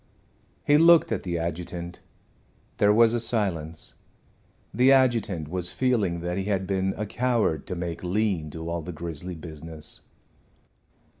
He looked at the adjutant. There was a silence. The adjutant was feeling that he had been a coward to make Lean do all the grisly business.